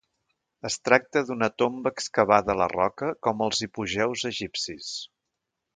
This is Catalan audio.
Es tracta d'una tomba excavada a la roca com els hipogeus egipcis.